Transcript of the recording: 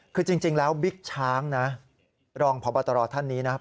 คือจริงแล้วบิ๊กช้างรองพปฏรท่านนี้นะครับ